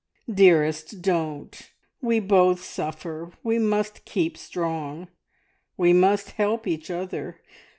"Dearest, don't! We both suffer. We must keep strong. We must help each other."